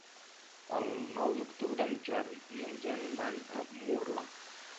El nou d'octubre en Jordi i en Jan van a Murla.